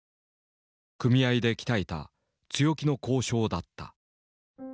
組合で鍛えた強気の交渉だった。